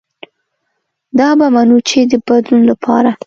دا به منو چې د بدلون له پاره